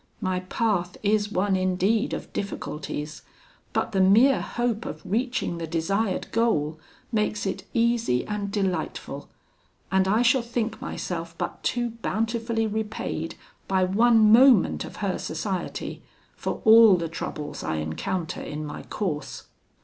My path is one indeed of difficulties, but the mere hope of reaching the desired goal makes it easy and delightful; and I shall think myself but too bountifully repaid by one moment of her society, for all the troubles I encounter in my course.